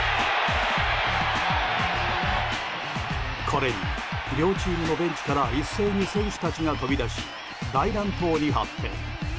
これに両チームのベンチから一斉に選手たちが飛び出し大乱闘に発展。